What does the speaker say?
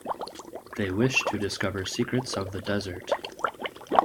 They wish to discover secrets of the desert.